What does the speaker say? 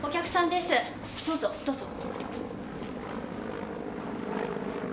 どうぞどうぞ。